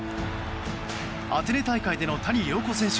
アテネ大会での谷亮子選手